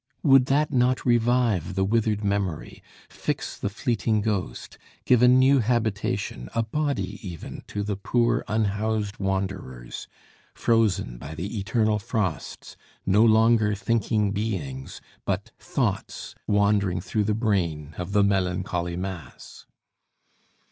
Would not that revive the withered memory, fix the fleeting ghost, give a new habitation, a body even, to the poor, unhoused wanderers, frozen by the eternal frosts, no longer thinking beings, but thoughts wandering through the brain of the "Melancholy Mass?"